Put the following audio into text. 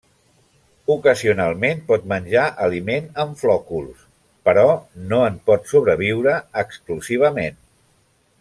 Ocasionalment pot menjar aliment en flòculs, però no en pot sobreviure exclusivament.